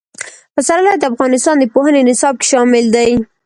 پسرلی د افغانستان د پوهنې نصاب کې شامل دي.